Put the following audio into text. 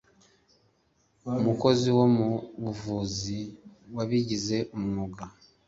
umukozi wo mu buvuzi wabigize umwuga